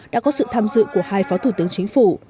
đã có sự tham dự của hai phó thủ tướng chính phủ